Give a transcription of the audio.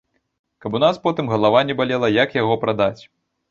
Каб у нас потым галава не балела, як яго прадаць.